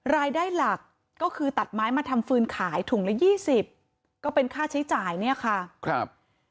รายได้หลักก็คือตัดไม้มาทำฟืนขายถุงละยี่สิบก็เป็นค่าใช้จ่ายเนี่ยค่ะครับ